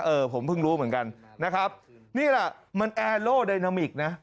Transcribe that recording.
เออผมเพิ่งรู้เหมือนกันนะครับนี่แหละมันแอร์โลไดนามิกนะ